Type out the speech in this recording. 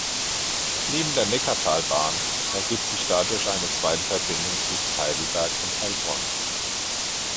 Neben der Neckartalbahn ergibt sich dadurch eine zweite Verbindung zwischen Heidelberg und Heilbronn.